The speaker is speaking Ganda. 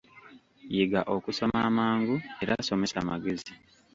Yiga okusoma amangu era somesa magezi.